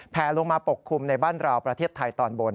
แผลลงมาปกคลุมในบ้านเราประเทศไทยตอนบน